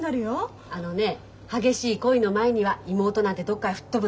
あのね激しい恋の前には妹なんてどっかへ吹っ飛ぶの。